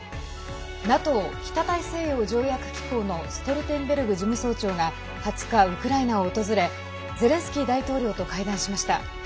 ＮＡＴＯ＝北大西洋条約機構のストルテンベルグ事務総長が２０日、ウクライナを訪れゼレンスキー大統領と会談しました。